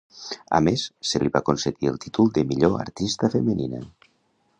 A més, se li va concedir el títol de millor artista femenina.